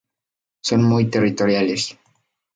Son muy territoriales.